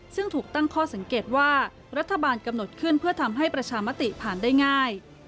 ซึ่งถูกตั้งข้อสังเกตว่ารัฐบาลกำหนดขึ้นเพื่อทำให้ประชามติผ่านได้ง่าย